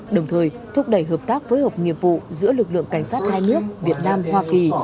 đồng thời thúc đẩy hợp tác phối hợp nghiệp vụ giữa lực lượng cảnh sát hai nước việt nam hoa kỳ